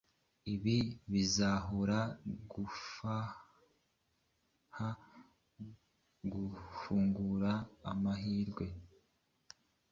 Ibi bizahobora gufaha gufungura amahirwe